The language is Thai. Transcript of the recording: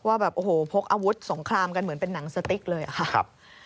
ว่าแบบโอ้โหพกอาวุธสงครามกันเหมือนเป็นหนังสติ๊กเลยอะค่ะ